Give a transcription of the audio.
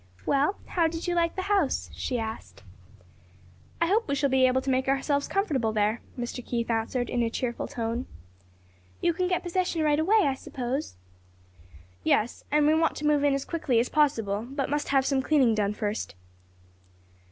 "Well, how did you like the house?" she asked. "I hope we shall be able to make ourselves comfortable there," Mr. Keith answered, in a cheerful tone. "You can get possession right away, I s'pose." "Yes; and want to move in as quickly as possible, but must have some cleaning done first."